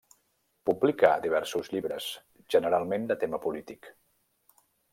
Publicà diversos llibres, generalment de tema polític.